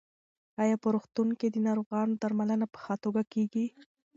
ایا په روغتون کې د ناروغانو درملنه په ښه توګه کېږي؟